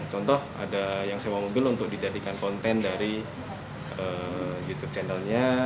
contoh ada yang sewa mobil untuk dijadikan konten dari youtube channelnya